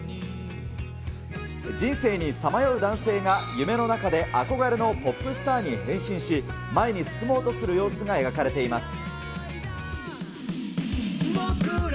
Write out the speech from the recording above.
人生にさまよう男性が夢の中で憧れのポップスターに変身し、前に進もうとする様子が描かれています。